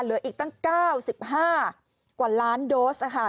เหลืออีกตั้ง๙๕กว่าล้านโดสค่ะ